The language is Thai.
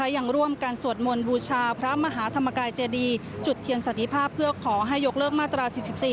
ยังร่วมกันสวดมนต์บูชาพระมหาธรรมกายเจดีจุดเทียนสันติภาพเพื่อขอให้ยกเลิกมาตรา๔๔